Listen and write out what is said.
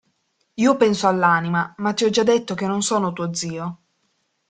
Io penso all'anima, ma ti ho già detto che non sono tuo zio.